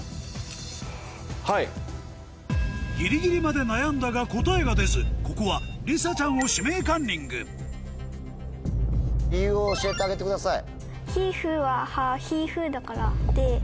ギリギリまで悩んだが答えが出ずここはりさちゃんを「指名カンニング」理由を教えてあげてください。